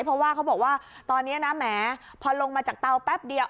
เพราะว่าเขาบอกว่าตอนนี้นะแหมพอลงมาจากเตาแป๊บเดียว